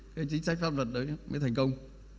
cái chính sách pháp luật đấy mới thành công